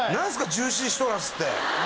ジューシーシトラスって。